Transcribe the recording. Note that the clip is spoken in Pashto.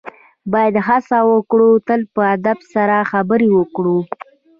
باید هڅه وکړو تل په ادب سره خبرې وکړو.